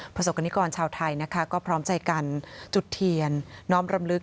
ประสบกรณิกรชาวไทยนะคะก็พร้อมใจกันจุดเทียนน้อมรำลึก